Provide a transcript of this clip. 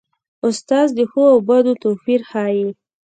استاد د ښو او بدو توپیر ښيي.